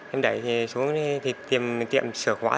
em đẩy xuống tiệm sửa quả